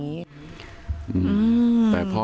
ไม่อยากให้มองแบบนั้นจบดราม่าสักทีได้ไหม